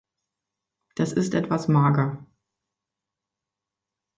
Das ist etwas mager.